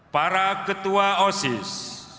para ketua osis